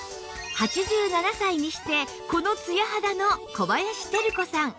８７歳にしてこのツヤ肌の小林照子さん